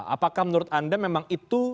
apakah menurut anda memang itu